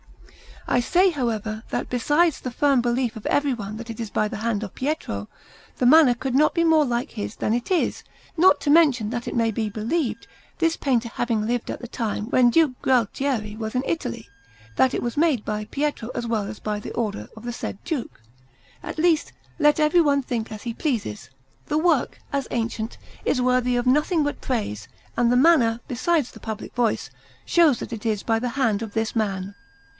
I say, however, that besides the firm belief of everyone that it is by the hand of Pietro, the manner could not be more like his than it is, not to mention that it may be believed, this painter having lived at the time when Duke Gualtieri was in Italy, that it was made by Pietro as well as by order of the said Duke. At least, let everyone think as he pleases, the work, as ancient, is worthy of nothing but praise, and the manner, besides the public voice, shows that it is by the hand of this man.